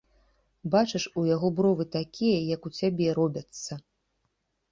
Бачыш, у яго бровы такія, як у цябе, робяцца.